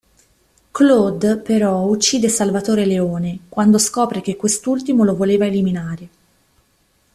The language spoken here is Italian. Claude però uccide Salvatore Leone, quando scopre che quest'ultimo lo voleva eliminare.